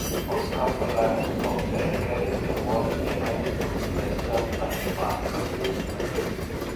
Oscarverleihung auch der Academy Award in der Kategorie Bester fremdsprachiger Film verliehen.